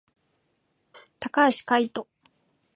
高橋海人